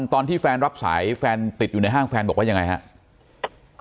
ตอนที่แฟนรับสายแฟนติดอยู่ในห้างแฟนบอกว่ายังไงครับ